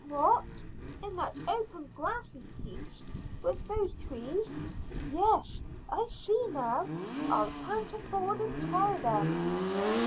"What, in that open grassy piece with those trees? Yes, I see now. I'll canter forward and tell them."